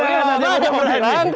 bapak bapak yang berani